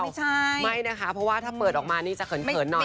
ไม่นะคะเพราะว่าถ้าเปิดออกมานี่จะเขินหน่อย